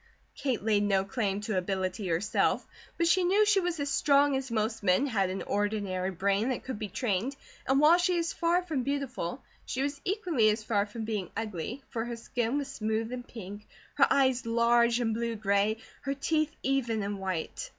Kate laid no claim to "ability," herself; but she knew she was as strong as most men, had an ordinary brain that could be trained, and while she was far from beautiful she was equally as far from being ugly, for her skin was smooth and pink, her eyes large and blue gray, her teeth even and white.